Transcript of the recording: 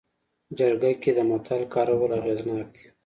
جرګه کې د متل کارول اغېزناک دي